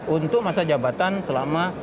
untuk masa jabatan selama